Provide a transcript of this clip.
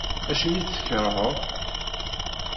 Acimi i tt-tkerheḍ?